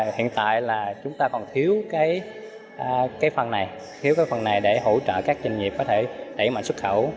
hiện tại là chúng ta còn thiếu cái phần này để hỗ trợ các doanh nghiệp có thể tẩy mạnh xuất khẩu